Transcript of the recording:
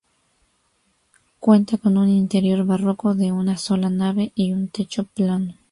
Cuenta con un interior barroco de una sola nave y un techo plano.